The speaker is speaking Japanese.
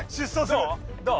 どう？